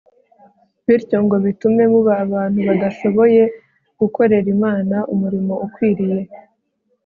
bityo ngo bitume muba abantu badashoboye gukorera imana umurimo ukwiriye